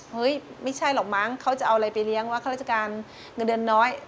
เฮ้ยไม่ใช่หรอกมั้งเขาจะเอาอะไรไปเลี้ยงว่าข้าราชการเงินเดือนน้อย